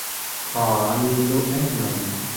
ขอลีนุกซ์ได้ไหม